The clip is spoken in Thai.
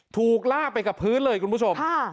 ถูกลากไปกับพื้นเลยคุณผู้ชม